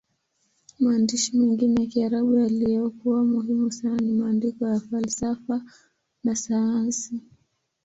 Maandishi mengine ya Kiarabu yaliyokuwa muhimu sana ni maandiko ya falsafa na sayansi.